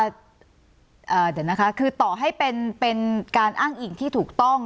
เดี๋ยวนะคะคือต่อให้เป็นการอ้างอิ่งที่ถูกต้อง